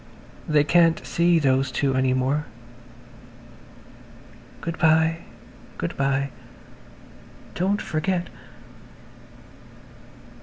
They can't see those two any more. Good bye, good bye. Don't forget. ...